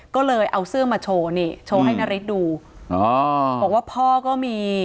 ก็เลยเอาเสื้อมาโชว์นี่โชว์ให้นาริสดูอ๋อบอกว่าพ่อก็มี